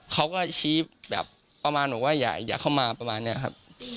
เขาก็ชี้แบบประมาณบอกว่าอย่าเข้ามาประมาณนี้ครับ